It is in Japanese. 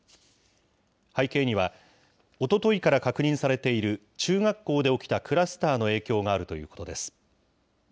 背景には、おとといから確認されている中学校で起きたクラスターの影響があるということです。